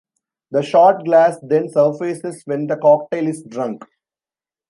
The shot glass then "surfaces" when the cocktail is drunk.